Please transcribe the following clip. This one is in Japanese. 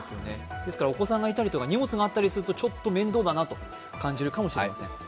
ですからお子さんがいたりとか、荷物があったりするとちょっと面倒だなと感じるかもしれません。